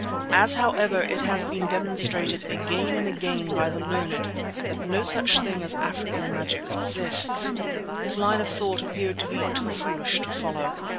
As, however, it has been demonstrated again and again by the learned that no such thing as African magic exists, this line of thought appeared to be too foolish to follow.